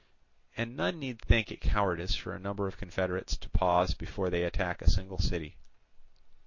"And none need think it cowardice for a number of confederates to pause before they attack a single city.